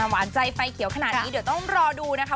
หวานใจไฟเขียวขนาดนี้เดี๋ยวต้องรอดูนะคะ